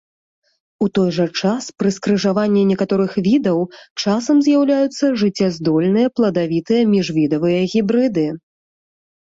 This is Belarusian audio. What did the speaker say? У той жа час пры скрыжаванні некаторых відаў часам з'яўляюцца жыццяздольныя пладавітыя міжвідавыя гібрыды.